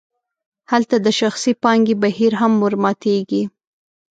هلته د شخصي پانګې بهیر هم ورماتیږي.